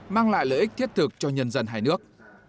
mang lại lợi ích thiết thực cho nhân dân hai nước